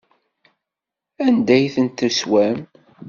Anda ay tent-teswam?